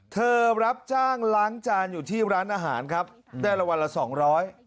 รับจ้างล้างจานอยู่ที่ร้านอาหารครับได้ละวันละสองร้อย